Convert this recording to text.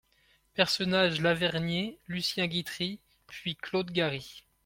Personnages Lavernié, Lucien Guitry, puis Claude Garry.